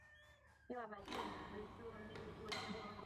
另外百济也曾设立左贤王。